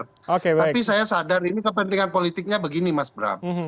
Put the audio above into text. tapi saya sadar ini kepentingan politiknya begini mas bram